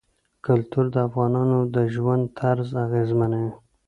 کلتور د افغانانو د ژوند طرز اغېزمنوي.